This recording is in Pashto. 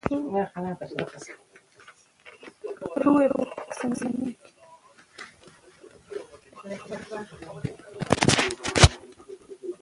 ډيپلومات د هېواد د موقف دفاع کوي.